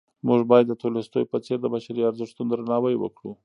موږ باید د تولستوی په څېر د بشري ارزښتونو درناوی وکړو.